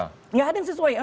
tidak ada yang sesuai